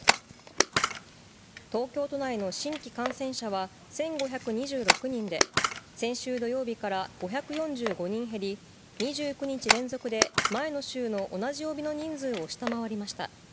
東京都内の新規感染者は１５２６人で、先週土曜日から５４５人減り、２９日連続で前の週の同じ曜日の人数を下回りました。